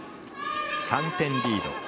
３点リード。